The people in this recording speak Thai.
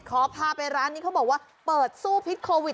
ขอพาไปร้านนี้เขาบอกว่าเปิดสู้พิษโควิด